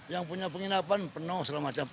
yang punya penginapan penuh segala macam